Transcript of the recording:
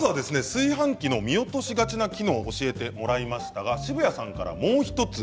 炊飯器の見落としがちな機能を教えてもらいましたが澁谷さんからもう一つ